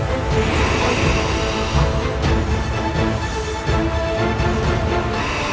keduanya sudah tewas dihajar siliwan